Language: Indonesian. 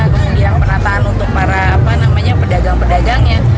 kemudian penataan untuk para pedagang pedagangnya